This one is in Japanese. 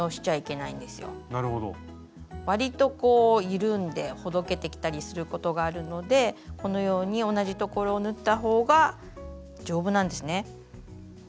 わりとこう緩んでほどけてきたりすることがあるのでこのように同じところを縫ったほうが丈夫なんですね。